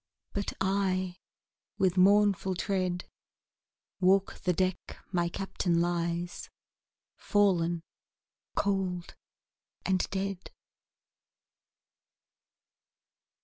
But I with mournful tread, Walk the deck my Captain lies, Fallen Cold and Dead.